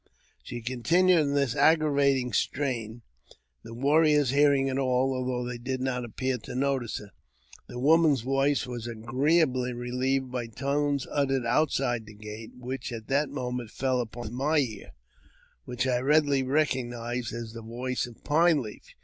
She continued in this aggravating strain, the warriors hear 330 AUTOBIOOBAPHY OF iug it all, although they did not appear to notice her. The woman's voice was agreeably relieved by tones uttered outside the gate, which at that moment fell upon my ear, and which I readily recognized as the voice of Pine Leaf.